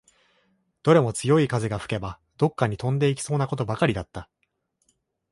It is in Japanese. どれも強い風が吹けば、どっかに飛んでいきそうなことばかりだった